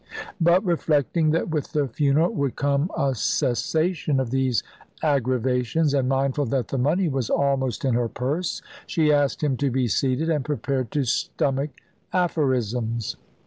But, reflecting that with the funeral would come a cessation of these aggravations, and mindful that the money was almost in her purse, she asked him to be seated and prepared to stomach aphorisms.